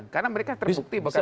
karena mereka terbukti bahwa